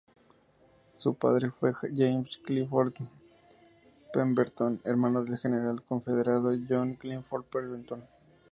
Su padre fue James Clifford Pemberton, hermano del general confederado John Clifford Pemberton.